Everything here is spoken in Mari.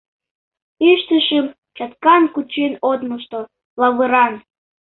Ӱштышым чаткан кучен от мошто — лавыран.